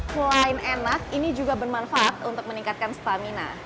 selain enak ini juga bermanfaat untuk meningkatkan stamina